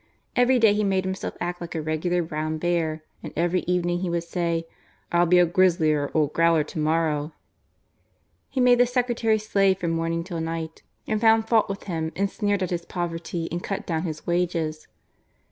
Every day he made himself act like a regular brown bear, and every evening he would say, "I'll be a grislier old growler to morrow." He made the secretary slave from morning till night and found fault with him and sneered at his poverty and cut down his wages.